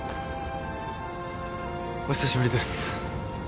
お久しぶりです。